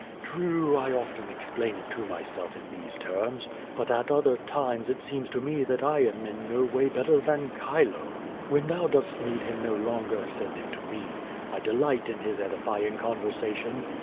True, I often explain it to myself in these terms; but at other times it seems to me that I am in no way better than Chilo. When thou dost need him no longer, send him to me. I delight in his edifying conversation.